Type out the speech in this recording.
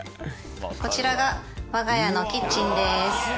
こちらが我が家のキッチンです。